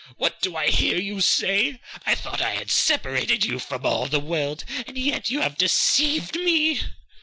'What do I hear you say! I thought I had separated you from all the world, and yet you have deceived me!